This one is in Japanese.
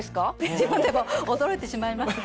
自分でも驚いてしまいますが。